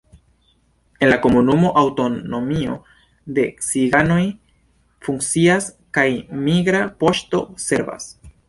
En la komunumo aŭtonomio de ciganoj funkcias kaj migra poŝto servas.